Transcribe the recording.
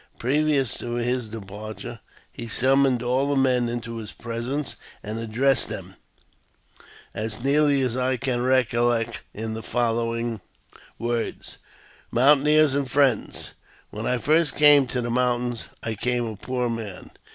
Previous to his departure, he summoned all the men into his presence, and addressed them, as nearly as I can recollect, in the following words :" Mountaineers and friends ! When I first came to the mountains, I came a poor man.